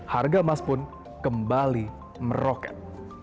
harga emas pun kembali meroket